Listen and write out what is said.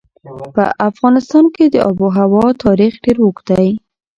په افغانستان کې د آب وهوا تاریخ ډېر اوږد دی.